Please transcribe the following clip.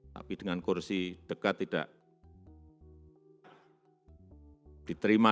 tapi dengan kursi dekat tidak diterima